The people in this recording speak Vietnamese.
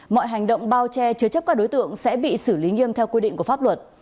mọi hành động bao che chứa chấp các đối tượng sẽ bị xử lý nghiêm theo quy định của pháp luật